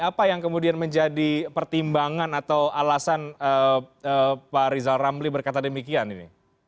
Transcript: apa yang kemudian menjadi pertimbangan atau alasan pak rizal ramli berkata demikian ini